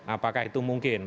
apakah itu mungkin